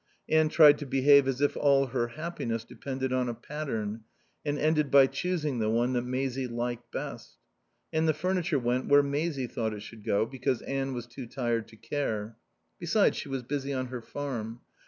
Anne tried to behave as if all her happiness depended on a pattern, and ended by choosing the one that Maisie liked best. And the furniture went where Maisie thought it should go, because Anne was too tired to care. Besides, she was busy on her farm.